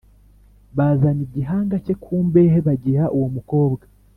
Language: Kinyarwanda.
Bazana igihanga cye ku mbehe bagiha uwo mukobwa